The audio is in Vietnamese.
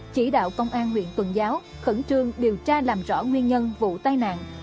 chỉ đạo công an huyện tuần giáo khẩn trương điều tra làm rõ nguyên nhân vụ tai nạn